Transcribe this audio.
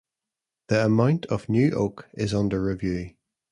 The amount of new oak is under review.